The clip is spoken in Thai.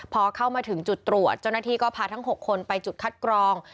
พอเข้ามาถึงจุดตรวจเจ้าหน้าที่ก็พาทั้ง๖คนไปจุดคัดกรอง